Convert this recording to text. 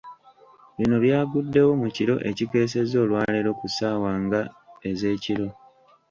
Bino byaguddewo mu kiro ekikeesezza olwaleero ku ssaawa nga ez’ekiro.